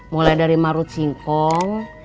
mulai dari marut singkong